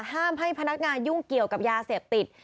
ห้ามให้พนักงานยุ่งเกี่ยวกับยาเสพติด